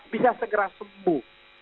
bisa segera sembuh